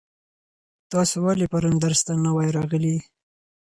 تاسو ولې پرون درس ته نه وای راغلي؟